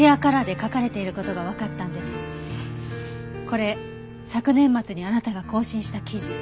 これ昨年末にあなたが更新した記事。